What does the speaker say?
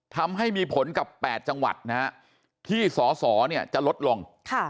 ทำให้มีผลกับ๘จังหวัดนะฮะที่สอสอจะลดลง